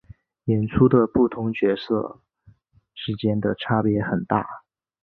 演出的不同角色之间的差别很大。